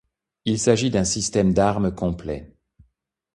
Il s'agit d'un système d'armes complet.